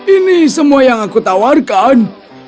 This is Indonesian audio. ini semua yang aku tawarkan